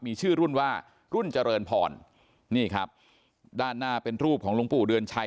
มีชื่อรุ่นว่ารุ่นเจริญพรนี่ครับด้านหน้าเป็นรูปของหลวงปู่เดือนชัย